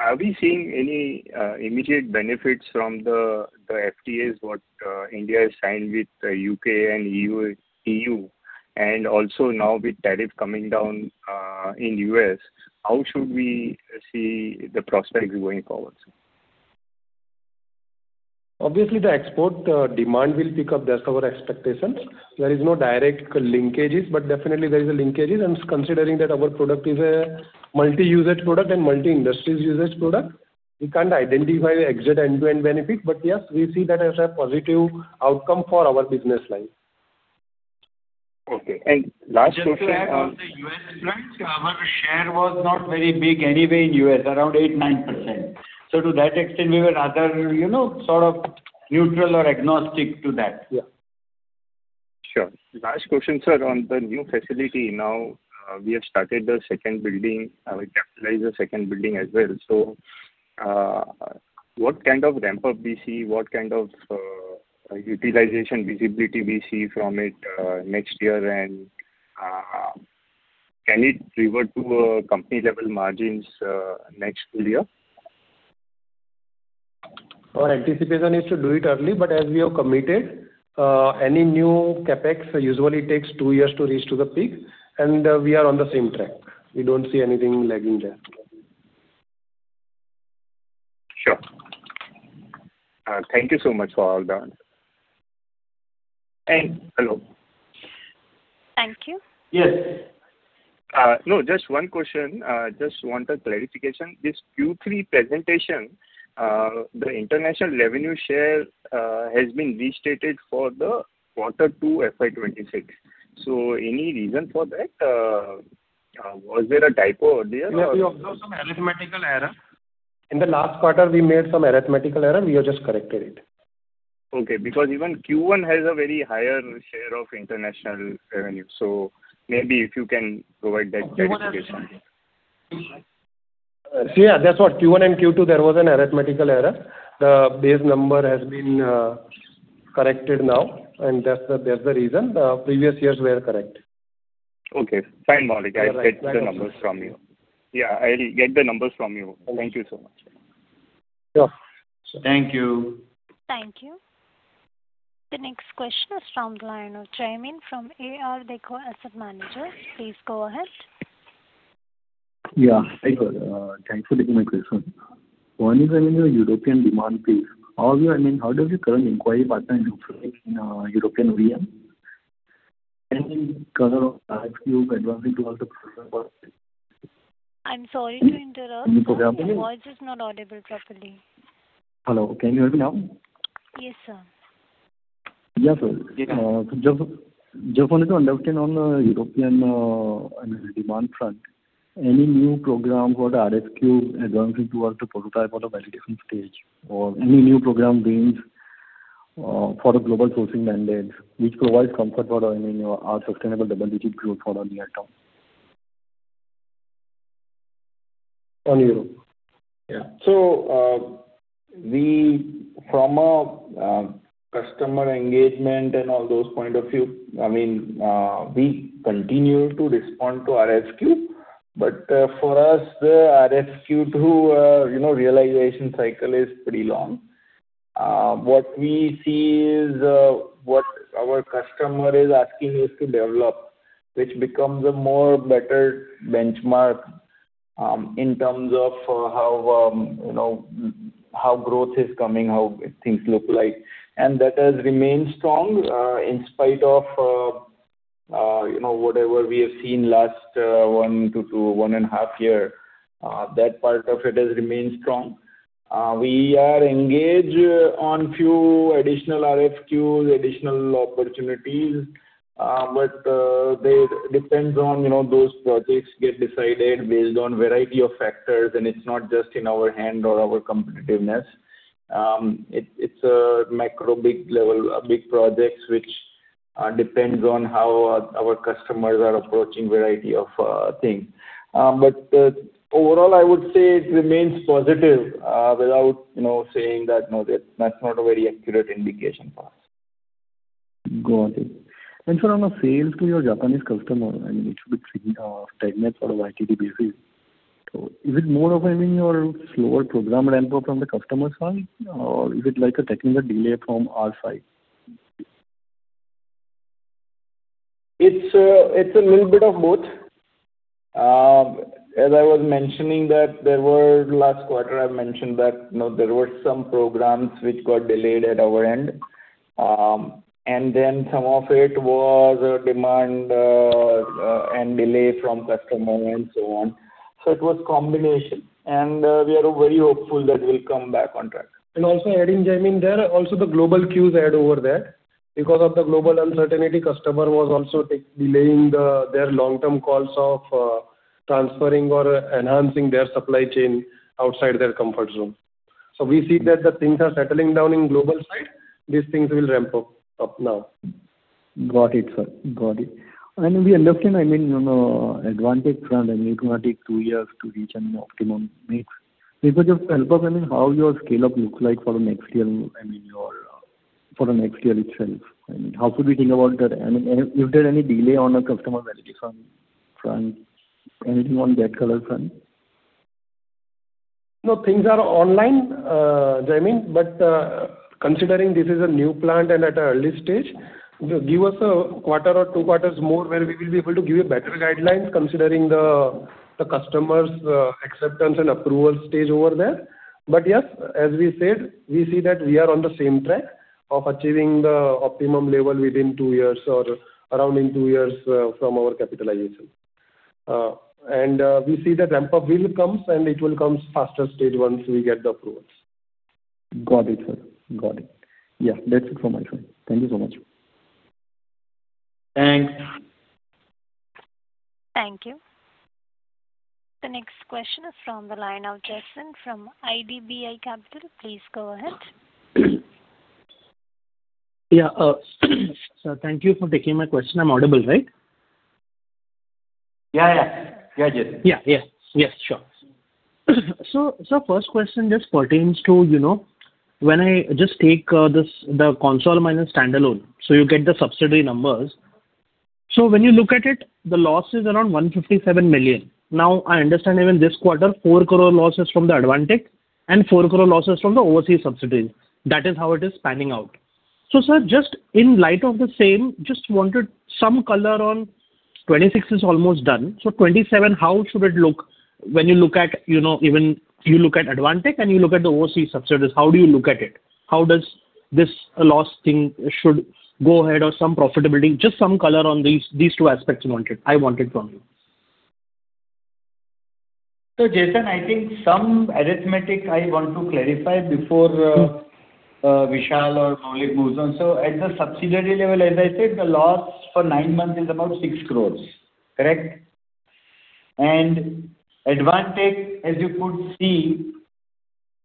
Speaker 7: are we seeing any immediate benefits from the FTAs that India has signed with U.K. and E.U., E.U.? And also now with tariff coming down in U.S., how should we see the prospects going forward?
Speaker 3: Obviously, the export demand will pick up. That's our expectation. There is no direct linkages, but definitely there is a linkages, and considering that our product is a multi-usage product and multi-industries usage product, we can't identify the exact end-to-end benefit. But yes, we see that as a positive outcome for our business line.
Speaker 7: Okay. Last question,
Speaker 2: Just to add on the US front, our share was not very big anyway in US, around 8%-9%. So to that extent, we were rather, you know, sort of neutral or agnostic to that.
Speaker 3: Yeah.
Speaker 7: Sure. Last question, sir. On the new facility now, we have started the second building, we capitalized the second building as well. So, what kind of ramp-up we see, what kind of, utilization visibility we see from it, next year? And, can it revert to, company-level margins, next full year?
Speaker 3: Our anticipation is to do it early, but as we have committed, any new CapEx usually takes two years to reach to the peak, and we are on the same track. We don't see anything lagging there.
Speaker 7: Sure. Thank you so much for all the answers.
Speaker 2: And hello.
Speaker 1: Thank you.
Speaker 2: Yes.
Speaker 7: No, just one question, just want a clarification. This Q3 presentation, the international revenue share, has been restated for Q2, FY 2026. So any reason for that? Was there a typo there or?
Speaker 2: We observed some arithmetical error.
Speaker 3: In the last quarter, we made some arithmetical error. We have just corrected it.
Speaker 7: Okay, because even Q1 has a very higher share of international revenue, so maybe if you can provide that clarification.
Speaker 3: See, yeah, that's what, Q1 and Q2, there was an arithmetical error. The base number has been corrected now, and that's the reason. The previous years were correct.
Speaker 7: Okay. Fine, Maulik, I'll get the numbers from you. Yeah, I'll get the numbers from you. Thank you so much.
Speaker 3: Sure.
Speaker 2: Thank you.
Speaker 1: Thank you. The next question is from the line of Jaymin from Ardeko Asset Management. Please go ahead.
Speaker 8: Yeah, I heard. Thanks for taking my question. When you say your European demand piece, how do you, I mean, how do you currently inquire partner in European VM? And color of RFQ advancing to all the
Speaker 1: I'm sorry to interrupt. Your voice is not audible properly.
Speaker 8: Hello. Can you hear me now?
Speaker 1: Yes, sir.
Speaker 8: Yeah, sir. Just, just wanted to understand on the European, on demand front, any new program for the RFQ advancing towards the prototype or the validation stage, or any new program wins, for the global sourcing mandates, which provides comfort for, I mean, our sustainable double-digit growth for the year term. On Europe. Yeah.
Speaker 2: So, we from a customer engagement and all those point of view, I mean, we continue to respond to RFQ. But, for us, the RFQ to, you know, realization cycle is pretty long. What we see is, what our customer is asking us to develop, which becomes a more better benchmark, in terms of, you know, how growth is coming, how things look like. And that has remained strong, in spite of, you know, whatever we have seen last 1-2, 1.5 year, that part of it has remained strong. We are engaged on few additional RFQs, additional opportunities, but, they depends on, you know, those projects get decided based on variety of factors, and it's not just in our hand or our competitiveness. It's a macro, big level, big projects, which depends on how our customers are approaching variety of things. But overall, I would say it remains positive, without you know saying that, no, that's not a very accurate indication for us.
Speaker 8: Got it. Sir, on the sales to your Japanese customer, I mean, it should be segment or a YTD basis. Is it more of, I mean, your slower program ramp from the customer side, or is it like a technical delay from our side?
Speaker 2: It's a little bit of both. As I was mentioning that there were last quarter, I mentioned that, you know, there were some programs which got delayed at our end. And then some of it was demand, and delay from customer and so on. So it was combination, and we are very hopeful that we'll come back on track. And also adding, Jaimin, there are also the global queues add over there. Because of the global uncertainty, customer was also delaying the their long-term calls of transferring or enhancing their supply chain outside their comfort zone. So we see that the things are settling down in global side. These things will ramp up now.
Speaker 8: Got it, sir. Got it. And we understand, I mean, you know, Advantek front, I mean, it's gonna take two years to reach an optimum mix. With the help of, I mean, how your scale-up looks like for the next year, I mean, your, for the next year itself. I mean, how should we think about that? I mean, is there any delay on a customer validation front? Anything on that color front?
Speaker 3: No, things are online, Jaimin, but, considering this is a new plant and at an early stage, give us, quarter or two quarters more, where we will be able to give you better guidelines, considering the customers', acceptance and approval stage over there. But yes, as we said, we see that we are on the same track of achieving the optimum level within two years or around in two years, from our capitalization. And, we see the ramp-up will comes, and it will come faster stage once we get the approvals.
Speaker 8: Got it, sir. Got it. Yeah, that's it for my turn. Thank you so much.
Speaker 2: Thanks.
Speaker 1: Thank you. The next question is from the line of Jason from IDBI Capital. Please go ahead.
Speaker 9: Yeah, sir, thank you for taking my question. I'm audible, right?
Speaker 2: Yeah, yeah. Yeah, Jason.
Speaker 9: Yeah, yeah. Yes, sure. So, so first question just pertains to, you know, when I just take this, the consolidated minus standalone, so you get the subsidiary numbers. So when you look at it, the loss is around 157 million. Now, I understand even this quarter, 4 crore loss is from the Advantek and 4 crore loss is from the overseas subsidiaries. That is how it is panning out. So, sir, just in light of the same, just wanted some color on... 2026 is almost done. So 2027, how should it look when you look at, you know, even you look at Advantek and you look at the overseas subsidiaries, how do you look at it? How does this loss thing should go ahead or some profitability, just some color on these, these two aspects wanted, I wanted from you.
Speaker 3: Jason, I think some arithmetic I want to clarify before.
Speaker 9: Mm-hmm.
Speaker 3: - Vishal or Maulik moves on. So at the subsidiary level, as I said, the loss for nine months is about 6 crore. Correct? And Advantek, as you could see-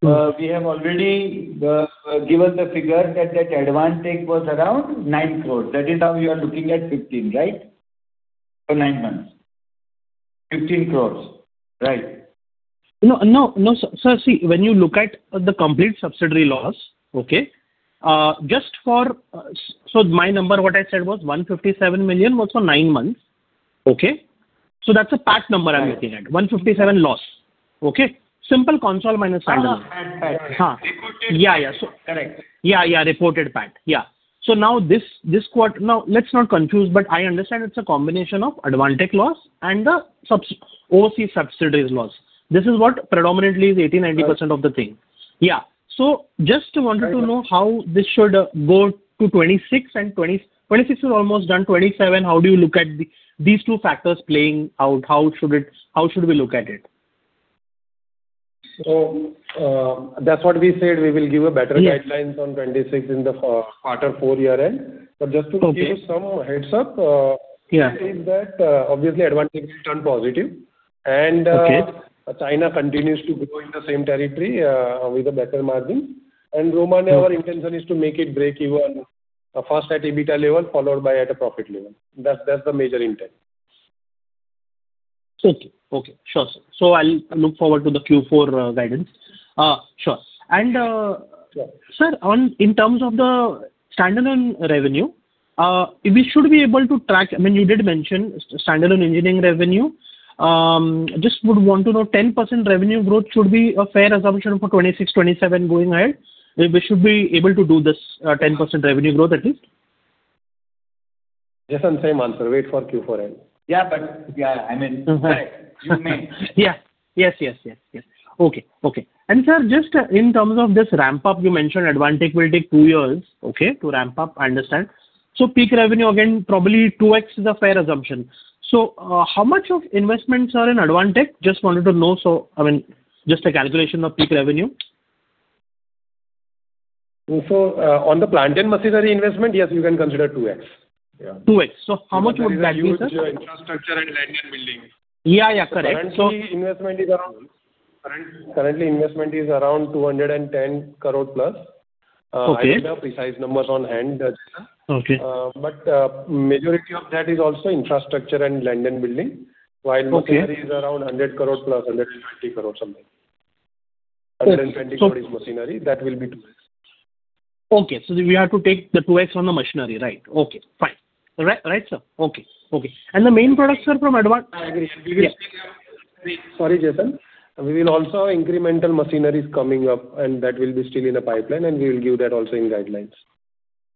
Speaker 9: Mm.
Speaker 3: We have already given the figure that Advantek was around 9 crore. That is how you are looking at 15, right? For 9 months. 15 crore, right.
Speaker 9: No, no, no, sir, see, when you look at the complete subsidiary loss, okay, just for... So my number, what I said was 157 million was for nine months, okay? So that's a PAT number I'm looking at.
Speaker 3: Right.
Speaker 9: 157 loss.... Okay, simple consol minus-
Speaker 3: Ah, yeah.
Speaker 9: Huh.
Speaker 2: Reported.
Speaker 3: Yeah, yeah. So- Correct.
Speaker 9: Yeah, yeah, reported PAT. Yeah. So now this, this quarter—now let's not confuse, but I understand it's a combination of Advantek loss and the subsidiaries loss. This is what predominantly is 80, 90% of the thing. Yeah. So just wanted to know how this should go to 2026 and 2027—2026 is almost done, 2027. How do you look at these two factors playing out? How should it—how should we look at it?
Speaker 3: So, that's what we said. We will give a better-
Speaker 9: Yes
Speaker 3: -guidelines on 26 in the, quarter four year-end. But just to-
Speaker 9: Okay
Speaker 3: give you some heads up.
Speaker 9: Yeah
Speaker 3: Is that, obviously, Advantek has turned positive, and
Speaker 9: Okay
Speaker 3: -China continues to grow in the same territory, with a better margin. And Romania-
Speaker 9: Yeah
Speaker 3: Our intention is to make it break even, first at EBITDA level, followed by at a profit level. That's, that's the major intent.
Speaker 9: Okay. Okay. Sure, sir. So I'll look forward to the Q4 guidance. Sure. And, sir, on... In terms of the standalone revenue, we should be able to track, I mean, you did mention standalone engineering revenue. Just would want to know, 10% revenue growth should be a fair assumption for 2026, 2027 going ahead. We, we should be able to do this 10% revenue growth, at least?
Speaker 3: Jason, same answer. Wait for Q4 end.
Speaker 2: Yeah, but yeah, I mean, you may.
Speaker 9: Yeah. Yes, yes, yes, yes. Okay, okay. And, sir, just, in terms of this ramp-up, you mentioned Advantek will take two years, okay, to ramp up. I understand. So peak revenue, again, probably 2x is a fair assumption. So, how much of investments are in Advantek? Just wanted to know, so I mean, just a calculation of peak revenue.
Speaker 3: On the plant and machinery investment, yes, you can consider 2x. Yeah.
Speaker 9: 2x. So how much would that be, sir?
Speaker 3: Huge infrastructure and land and building.
Speaker 9: Yeah, yeah, correct.
Speaker 3: Currently, investment is around 210 crore+.
Speaker 9: Okay.
Speaker 3: I don't have precise numbers on hand.
Speaker 9: Okay.
Speaker 3: Majority of that is also infrastructure and land and building.
Speaker 9: Okay.
Speaker 3: While machinery is around 100+ crore, 150 crore, something.
Speaker 9: Okay, so-
Speaker 3: 150 crore is machinery, that will be 2x.
Speaker 9: Okay, so we have to take the 2x on the machinery, right? Okay, fine. Right, right, sir? Okay, okay. And the main products are from Advant-
Speaker 3: Sorry, Jason. We will also have incremental machinery coming up, and that will be still in the pipeline, and we will give that also in guidelines.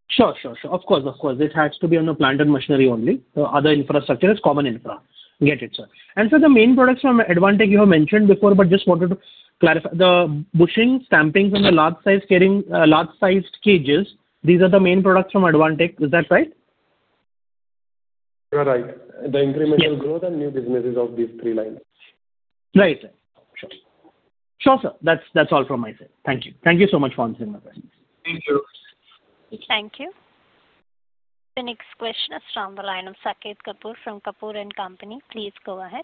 Speaker 9: Sure, sure, sure. Of course, of course. This has to be on the plant and machinery only. So other infrastructure is common infra. Get it, sir. And so the main products from Advantek you have mentioned before, but just wanted to clarify. The bushings, stampings and the large-size bearings, large-sized cages, these are the main products from Advantek. Is that right?
Speaker 3: You are right.
Speaker 9: Yeah.
Speaker 3: The incremental growth and new businesses of these three lines.
Speaker 9: Right. Sure. Sure, sir. That's, that's all from my side. Thank you. Thank you so much for answering my questions.
Speaker 2: Thank you.
Speaker 1: Thank you. The next question is from the line of Saket Kapoor from Kapoor and Company. Please go ahead.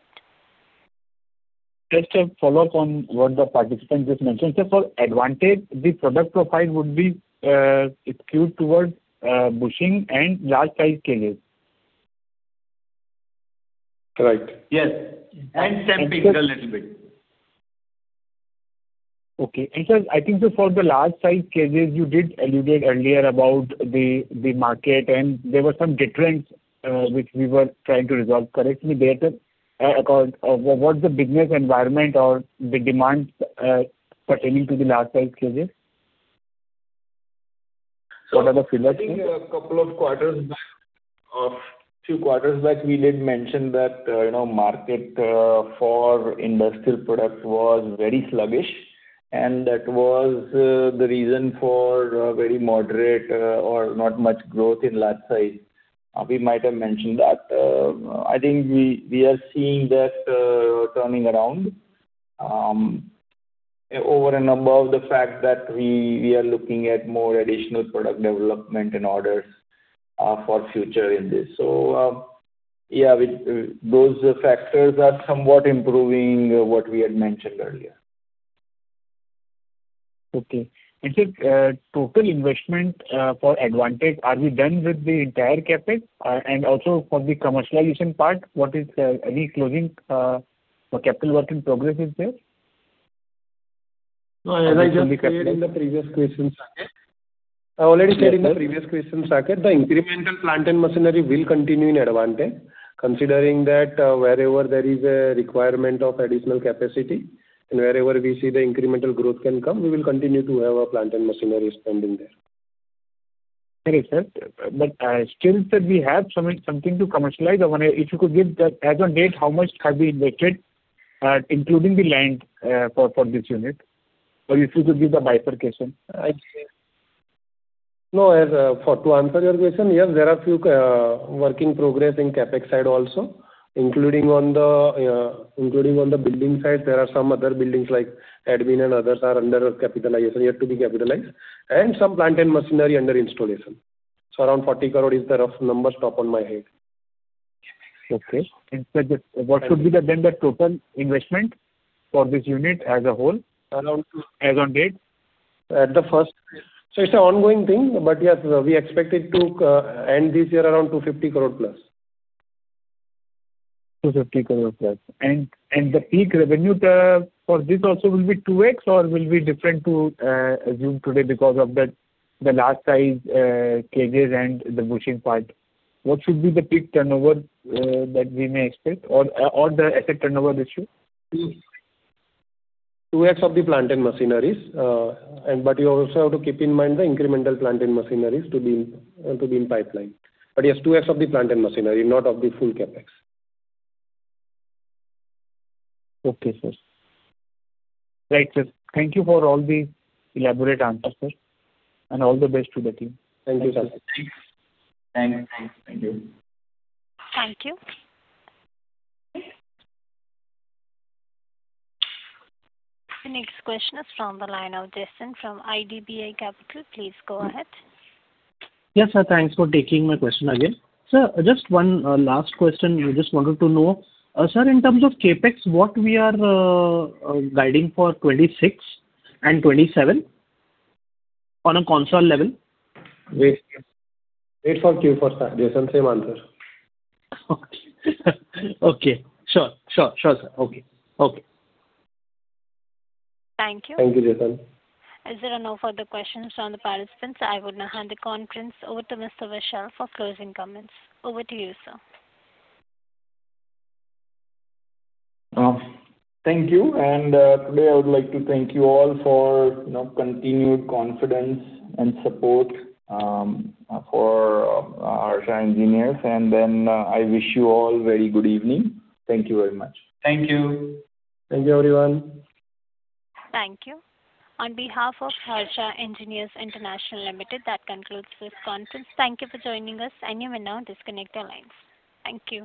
Speaker 6: Just a follow-up on what the participant just mentioned. Sir, for Advantek, the product profile would be, skewed towards, bushings and large-sized cages?
Speaker 3: Right.
Speaker 2: Yes, and stamping a little bit.
Speaker 6: Okay. Sir, I think for the large-sized cages, you did elaborate earlier about the market, and there were some deterrents which we were trying to resolve. Currently, what's the business environment or the demands pertaining to the large-sized cages? What are the feelers?
Speaker 2: I think a couple of quarters back, two quarters back, we did mention that, you know, market for industrial products was very sluggish, and that was the reason for very moderate or not much growth in large size. We might have mentioned that. I think we are seeing that turning around, over and above the fact that we are looking at more additional product development and orders for future in this. So, yeah, with those factors are somewhat improving what we had mentioned earlier.
Speaker 6: Okay. Sir, total investment for Advantek, are we done with the entire CapEx? Also for the commercialization part, what is any closing or capital work in progress? Is there?
Speaker 3: No, as I just said in the previous question, Saket. I already said in the previous question, Saket, the incremental plant and machinery will continue in Advantek. Considering that, wherever there is a requirement of additional capacity and wherever we see the incremental growth can come, we will continue to have a plant and machinery spending there.
Speaker 6: Correct, sir. But still, sir, we have something to commercialize. I want to... If you could give the, as on date, how much have we invested, including the land, for this unit? Or if you could give the bifurcation, I'd say.
Speaker 3: No, to answer your question, yes, there are few work in progress in CapEx side also, including on the building side, there are some other buildings like Admin and others are under capitalization, yet to be capitalized, and some plant and machinery under installation. So around 40 crore is the rough number, top of my head.
Speaker 6: Okay. Sir, what should be the total investment for this unit as a whole?
Speaker 3: Around-
Speaker 6: As on date.
Speaker 3: So it's an ongoing thing, but yes, we expect it to end this year around 250+ crore.
Speaker 6: 250 crore plus. And, and the peak revenue for this also will be 2x or will be different to assume today because of the large size cages and the bushing part. What should be the peak turnover that we may expect or the asset turnover ratio?
Speaker 3: 2x of the plant and machinery, and but you also have to keep in mind the incremental plant and machinery to be in pipeline. But yes, 2x of the plant and machinery, not of the full CapEx.
Speaker 6: Okay, sir. Right, sir. Thank you for all the elaborate answers, sir, and all the best to the team.
Speaker 3: Thank you, sir.
Speaker 2: Thanks.
Speaker 3: Thank you.
Speaker 1: Thank you. The next question is from the line of Jason from IDBI Capital. Please go ahead.
Speaker 9: Yes, sir, thanks for taking my question again. Sir, just one last question. I just wanted to know, sir, in terms of CapEx, what we are guiding for 2026 and 2027 on a consolidated level?
Speaker 3: Wait, wait for Q4, Jason, same answer.
Speaker 9: Okay. Okay, sure, sure, sure, sir. Okay, okay.
Speaker 1: Thank you.
Speaker 3: Thank you, Jason.
Speaker 1: As there are no further questions from the participants, I would now hand the conference over to Mr. Vishal for closing comments. Over to you, sir.
Speaker 2: Thank you. Today I would like to thank you all for, you know, continued confidence and support for Harsha Engineers, and then I wish you all very good evening. Thank you very much.
Speaker 3: Thank you.
Speaker 2: Thank you, everyone.
Speaker 1: Thank you. On behalf of Harsha Engineers International Limited, that concludes this conference. Thank you for joining us. You may now disconnect your lines. Thank you.